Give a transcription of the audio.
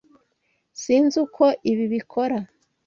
Sinzi uko ibi bikora.